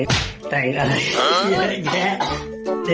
เย้เสร็จแล้วไป